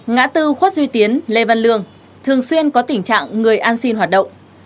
ngã bốn khuất duy tiến lê văn lương thường xuyên có tình trạng người ăn xin hoạt động